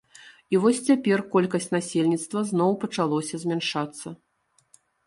І вось цяпер колькасць насельніцтва зноў пачалося змяншацца.